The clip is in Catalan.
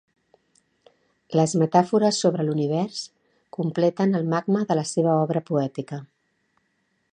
Les metàfores sobre l'univers completen el magma de la seva obra poètica.